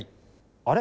あれ？